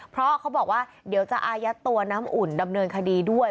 เพราะเขาบอกว่าเดี๋ยวจะอายัดตัวน้ำอุ่นดำเนินคดีด้วย